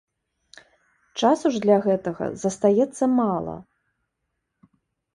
Часу ж для гэтага застаецца мала.